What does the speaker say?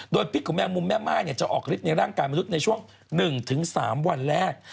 โดยพิษของแมงมุมแม่ม่ายจะออกฤทธิในร่างกายมนุษย์ในช่วง๑๓วันแรก